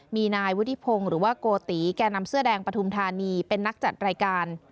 มีนายวุฒิพงศ์หรือว่าโกติแก่นำเสื้อแดงปฐุมธานีเป็นนักจัดรายการ